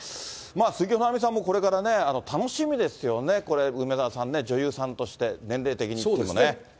鈴木保奈美さんもこれからね、楽しみですよね、これ、梅沢さんね、女優さんとして、年齢的にいってもね。